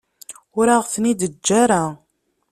Ur aɣ-ten-id-teǧǧa ara.